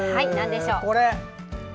これ！